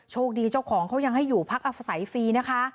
โชคดีเจ้าของเขายังให้อยู่พักอาศัยฟรีนะคะ